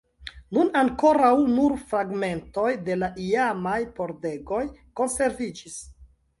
Nun ankoraŭ nur fragmentoj de la iamaj pordegoj konserviĝis.